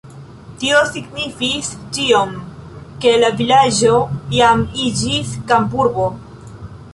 Tio signifis tion, ke la vilaĝo jam iĝis kampurbo.